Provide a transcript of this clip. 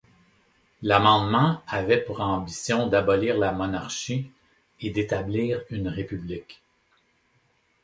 L'amendement avait pour ambition d'abolir la monarchie et d'établir une république.